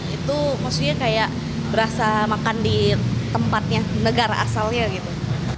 itu maksudnya kayak berasa makan di tempatnya negara asalnya gitu